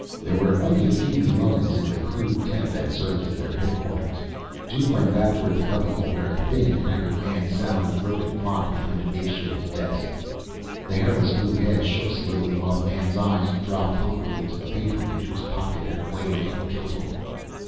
There were only a few Meloans in the crude tent that served as their headquarters. Duke went back toward the cubbyhole where a thin, haggard man sat on a broken block behind a makeshift desk. The hairless blue head shook slowly while the man's eyes dropped hungrily to the paper in Duke's pocket and away again guiltily.